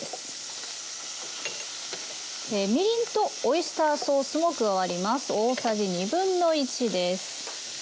みりんとオイスターソースも加わります。